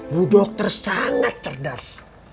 bu dokter sangat cerdas